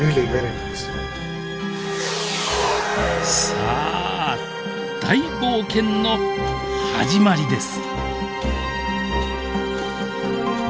さあ大冒険の始まりです！